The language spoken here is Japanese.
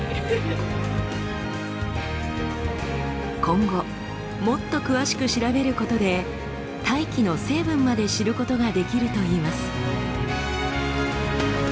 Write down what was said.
今後もっと詳しく調べることで大気の成分まで知ることができるといいます。